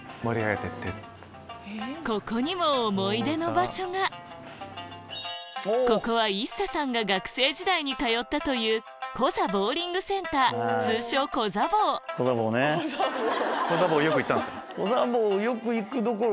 ここにも思い出の場所がここはＩＳＳＡさんが学生時代に通ったという通称コザボーコザボーよく行ったんすか？